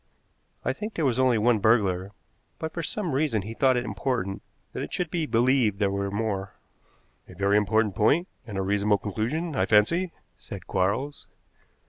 "I think there was only one burglar, but for some reason he thought it important that it should be believed there were more." "A very important point, and a reasonable conclusion, I fancy," said Quarles.